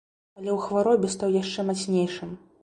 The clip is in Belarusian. Але ў хваробе стаў яшчэ мацнейшым.